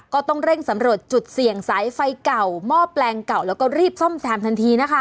ก็ต้องเร่งสำรวจจุดเสี่ยงสายไฟเก่าหม้อแปลงเก่าแล้วก็รีบซ่อมแซมทันทีนะคะ